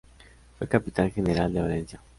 Fue Capitán General de Valencia.